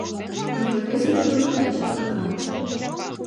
Но профессийже тудын эн шергакан.